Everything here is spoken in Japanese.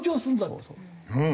うん！